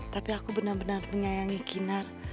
tapi aku benar benar menyayangi kinar